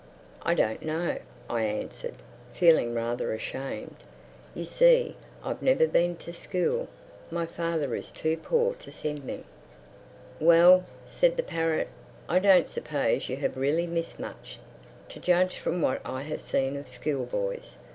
"I don't know," I answered, feeling rather ashamed. "You see, I've never been to school. My father is too poor to send me." "Well," said the parrot, "I don't suppose you have really missed much—to judge from what I have seen of school boys.